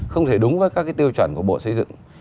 không thể đúng với các cái tiêu chuẩn của bộ xây dựng